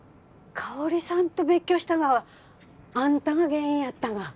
香織さんと別居したがはあんたが原因やったが？